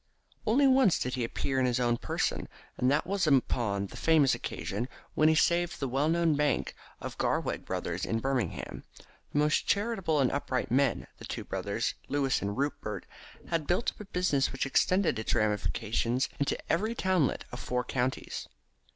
Once only did he appear in his own person, and that was upon the famous occasion when he saved the well known bank of Garraweg Brothers in Birmingham. The most charitable and upright of men, the two brothers, Louis and Rupert, had built up a business which extended its ramifications into every townlet of four counties.